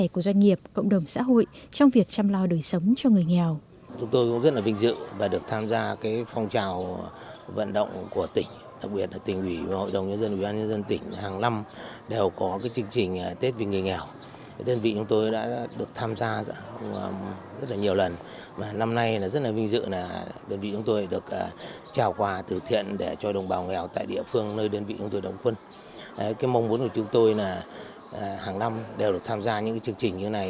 cái mong muốn của chúng tôi là hàng năm đều được tham gia những chương trình như thế này